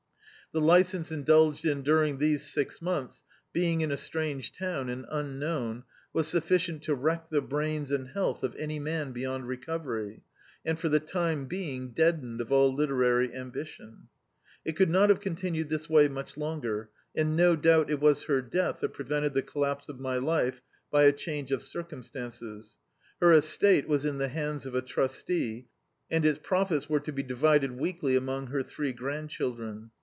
The licence indulged in during these six mcnths, being in a strange town and unknown, was sufficient to wreck the brains and htblth of any man beyond recovery, and for the time being deadened all literary ambition. It could not have continued this way much longer, and no doubt, it was her death that prevented the collapse of my life, by a change of circumstances. . Her es tate was in the hands of a trustee, and its profits were to be divided weekly among her three grand diildren.